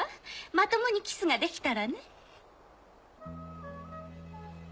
まともにキスができたらね。